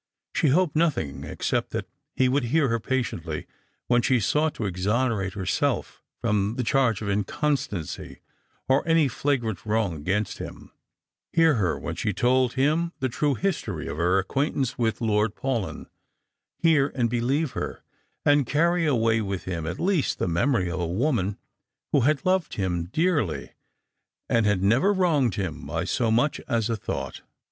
She hoped nothing, except that he would hear her patiently when she sought to exonerate her self from the charge of inconstancy, or any flagrant wrong against him ; hear her while she tofd him the true history of her acquaintance with Lord Paulyn ; hear and believe her, and carry away with him at least the memory of a woman who had loved him dearly, and had never wronged him by so much as a thought.